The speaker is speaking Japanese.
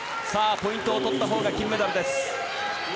ポイントを取ったほうが金メダルです。